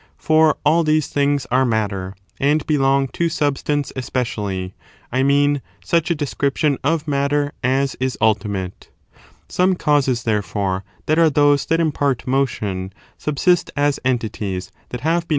For all these things are matter, and belong to substance especially — I mean, such a description of matter as is ultimate. Some causes,^ therefore, that are those that 4. causes impart motion subsist as entities that have been e?i»er pnor to • 1